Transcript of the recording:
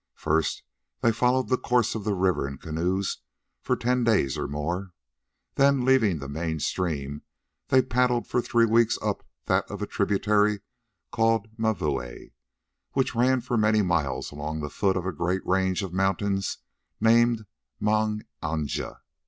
First they followed the course of the river in canoes for ten days or more; then, leaving the main stream, they paddled for three weeks up that of a tributary called Mavuae, which ran for many miles along the foot of a great range of mountains named Mang anja.